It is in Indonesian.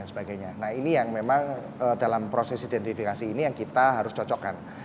nah ini yang memang dalam proses identifikasi ini yang kita harus cocokkan